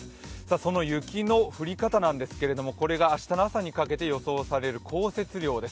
その雪の降り方なんですけれども、これが明日の朝にかけて予想される降雪量です。